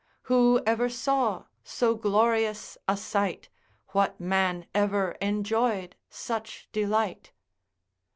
who ever saw so glorious a sight, what man ever enjoyed such delight?